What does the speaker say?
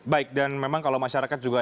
baik dan memang kalau masyarakat juga